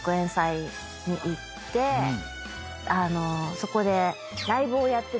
そこで。